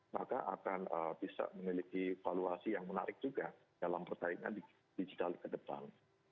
maka akan bisa memiliki valuasi yang menarik juga dalam persaingan digital ke depan